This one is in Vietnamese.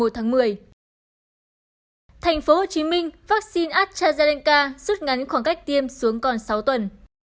tp hcm vaccine astrazeneca rút ngắn khoảng cách tiêm xuống còn sáu tuần